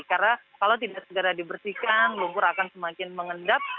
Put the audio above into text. karena kalau tidak segera dibersihkan lumpur akan semakin mengendap